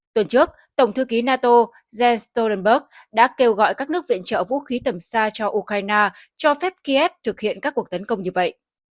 tuần trước tổng thư ký nato jens stolenberg đã kêu gọi các nước viện trợ vũ khí tầm xa cho ukraine cho phép kiev thực hiện các cuộc tấn công như vậy